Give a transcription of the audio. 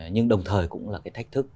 nhưng đồng thời cũng là cái thách thức